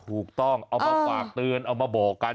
ถูกต้องเอามาฝากเตือนเอามาบอกกัน